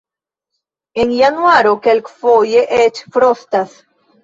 En januaro kelkfoje eĉ frostas.